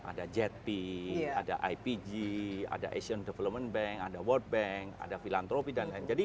ada jet p ada ipg ada asian development bank ada world bank ada filantropi dan lain lain